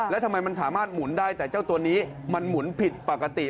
แล้วทำไมมันสามารถหมุนได้แต่เจ้าตัวนี้มันหมุนผิดปกติ